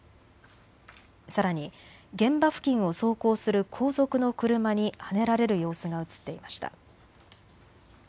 さらに、現場付近を走行する後続の車にはねられる様子が写っていました。